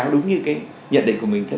đúng như nhận định của mình